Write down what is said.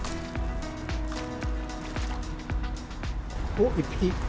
おっ、１匹。